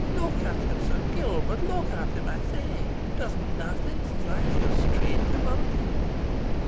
Look at him, Sir Gilbert look at him, I say! Does naething strike you as strange about him?"